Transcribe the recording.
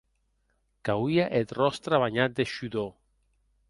Qu'auie eth ròstre banhat de shudor.